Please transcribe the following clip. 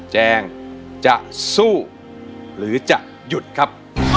แจงจะสู้หรือจะหยุดครับ